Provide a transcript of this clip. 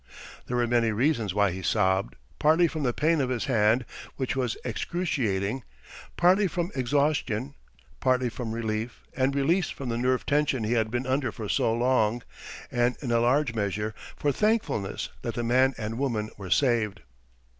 There were many reasons why he sobbed—partly from the pain of his hand, which was excruciating; partly from exhaustion; partly from relief and release from the nerve tension he had been under for so long; and in a large measure for thankfulness that the man and woman were saved.